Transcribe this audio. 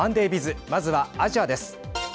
まずは、アジアです。